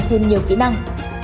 thêm nhiều kỹ năng